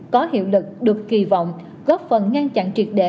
có hiệu lực được kỳ vọng góp phần ngăn chặn triệt để